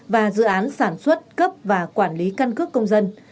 và dự án sản xuất cấp và quản lý căn cước công dân